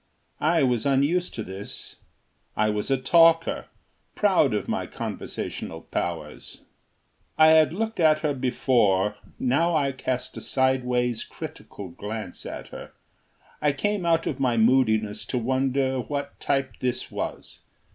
I was unused to this. I was a talker, proud of my conversational powers. I had looked at her before; now I cast a sideways, critical glance at her. I came out of my moodiness to wonder what type this was.